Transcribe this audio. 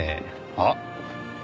あっ。